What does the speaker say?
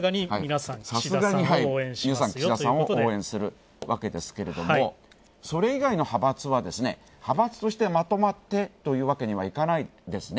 皆さん、岸田さんを応援するわけですけどもそれ以外の派閥は、派閥としてまとまってというわけにはいかないですね。